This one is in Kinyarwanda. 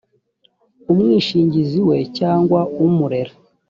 umwishingizi we cyangwa umurera